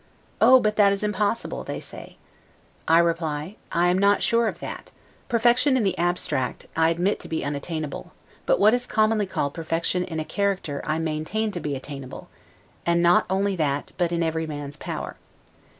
O, but that is impossible, say they; I reply, I am not sure of that: perfection in the abstract, I admit to be unattainable, but what is commonly called perfection in a character I maintain to be attainable, and not only that, but in every man's power.